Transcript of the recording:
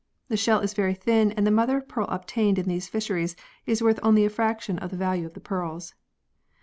The shell is very thin and the mother of pearl obtained in these fisheries is worth only a fraction of the value of the pearls.